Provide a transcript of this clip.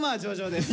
です。